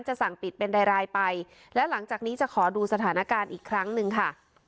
สั่งปิดเป็นรายรายไปและหลังจากนี้จะขอดูสถานการณ์อีกครั้งหนึ่งค่ะ